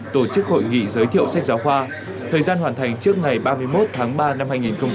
tổ chức hội nghị giới thiệu sách giáo khoa thời gian hoàn thành trước ngày ba mươi một tháng ba năm hai nghìn hai mươi